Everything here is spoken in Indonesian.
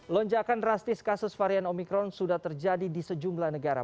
lonjakan drastis kasus varian omikron sudah terjadi di sejumlah negara